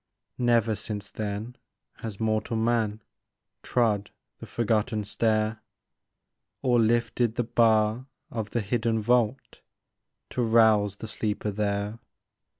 Never since then has mortal man Trod the forgotten stair, Or lifted the bar of the hidden vault To rouse the sleeper there.